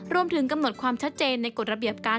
รวมถึงกำหนดความชัดเจนในกฎระเบียบการ